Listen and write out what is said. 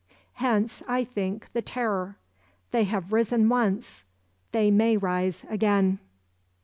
Hence, I think, the Terror. They have risen once—they may rise again.